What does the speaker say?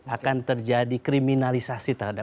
akan terjadi kriminalisasi terhadap